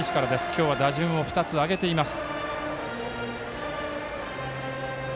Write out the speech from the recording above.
今日は打順を２つ上げています。